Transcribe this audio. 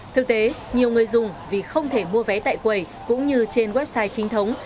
thực tế nhiều người dùng vì không thể mua vé tại quầy cũng như trên website chính thống